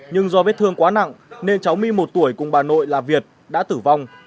nhưng do vết thương quá nặng nên cháu my một tuổi cùng bà nội là việt đã tử vong